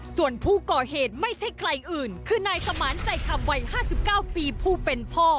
ส่วนผู้ก่อเหตุไม่ใช่ใครอื่นคือนายสมานใจคำวัย๕๙ปีผู้เป็นพ่อ